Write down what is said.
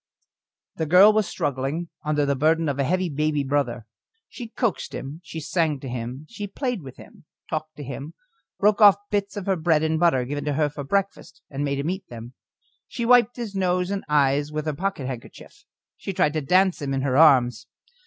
The girl was struggling under the burden of a heavy baby brother. She coaxed him, she sang to him, she played with him, talked to him, broke off bits of her bread and butter, given to her for breakfast, and made him eat them; she wiped his nose and eyes with her pocket handkerchief, she tried to dance him in her arms.